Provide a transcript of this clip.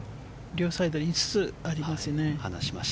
両サイドに５つありますね。